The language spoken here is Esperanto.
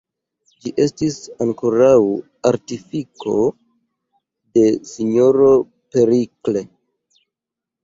Ĝi estis ankoraŭ artifiko de S-ro Perikles.